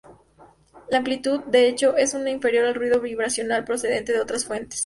La amplitud, de hecho, es muy inferior al ruido vibracional procedente de otras fuentes.